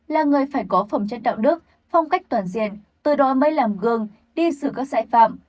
là người phải có phẩm chất đạo đức phong cách toàn diện từ đó mới làm gương đi xử các sai phạm